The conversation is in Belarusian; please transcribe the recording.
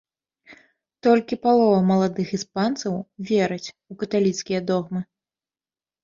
Толькі палова маладых іспанцаў вераць у каталіцкія догмы.